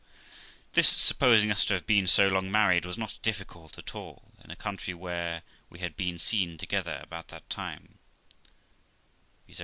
This supposing us to have been so long married was not difficult at all, in a country where we had been seen together about that time, viz.